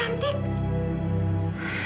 jangan mengeluh terus